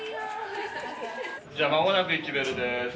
じゃあまもなく１ベルです。